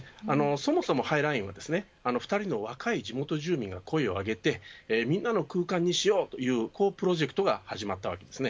そもそもハイラインは、２人の若い地元住民が声を上げてみんなの空間にしようというこういうプロジェクトが始まったわけです。